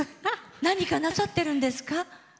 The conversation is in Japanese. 何かなさってるんですか？